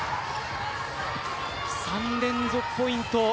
３連続ポイント。